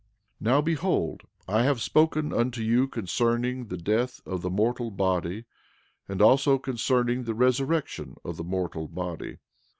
11:45 Now, behold, I have spoken unto you concerning the death of the mortal body, and also concerning the resurrection of the mortal body.